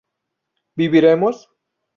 ¿viviremos?